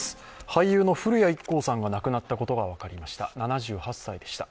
俳優の古谷一行さんが亡くなったことが分かりました。